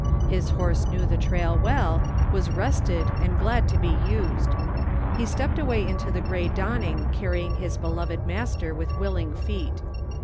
His horse knew the trail well, was rested and glad to be used. He stepped away into the gray dawning carrying his beloved master with willing feet.